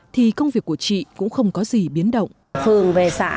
thì công việc của chị cũng không có gì biến động